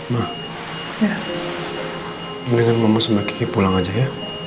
ma mendingan mama sembah kiki pulang aja ya